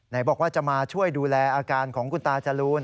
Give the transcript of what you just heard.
บอกว่าจะมาช่วยดูแลอาการของคุณตาจรูน